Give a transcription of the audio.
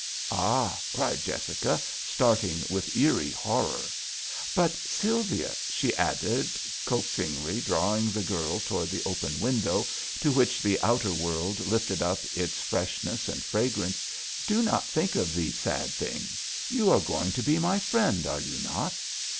" Ah !" cried Jessica, starting with eerie horror. But, Sylvia," she added, coax ingly, drawing the girl towards the open window to which the outer world lifted up its freshness and fragrance, do not think of these sad things. You are going to be my friend, are you not